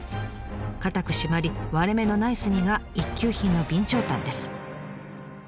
硬く締まり割れ目のない炭が一級品の備長炭です。